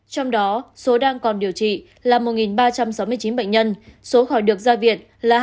trong đó số đang còn điều trị là một ba trăm sáu mươi chín bệnh nhân số khỏi được ra viện là hai